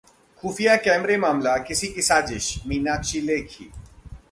खुफिया कैमरा मामला किसी की साजिश: मीनाक्षी लेखी